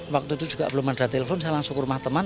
waktu itu juga belum ada telepon saya langsung ke rumah teman